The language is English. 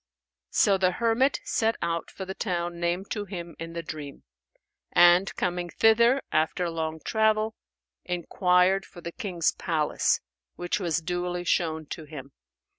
So the hermit set out for the town named to him in the dream; and, coming thither after long travel, enquired for the King's palace which was duly shown to him.